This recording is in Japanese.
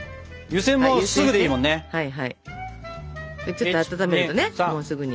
ちょっと温めるとねもうすぐに。